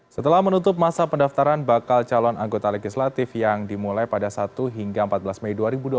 setelah menutup masa pendaftaran bakal calon anggota legislatif yang dimulai pada satu hingga empat belas mei dua ribu dua puluh